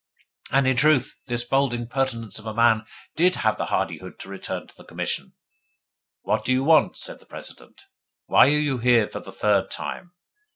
And in truth this bold impertinence of a man did have the hardihood to return to the Commission. 'What do you want?' said the President. 'Why are you here for the third time?